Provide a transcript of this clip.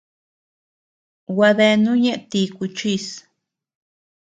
Gua deanu ñeʼe ti kuchis.